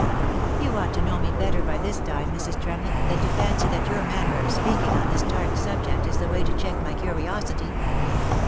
" You ought to know me better by this time, Mrs. Tremlett, than to fancy that your manner of speaking on this dark subject is the way to check my curiosity.